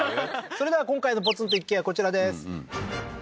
それでは今回のポツンと一軒家こちらです